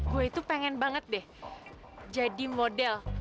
gue itu pengen banget deh jadi model